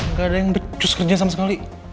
gak ada yang becos kerja sama sekali